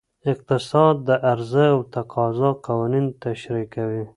اقتصاد د عرضه او تقاضا قوانین تشریح کوي.